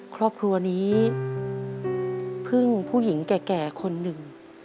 ครอบครัวนี้พึ่งผู้หญิงแก่คนหนึ่ง